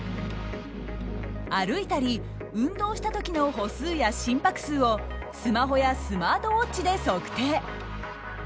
歩いたり運動した時の歩数や心拍数をスマホやスマートウォッチで測定。